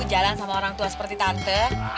jalan sama orang tua seperti tante